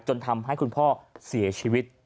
จนทำให้คุณพ่อเสียชีวิต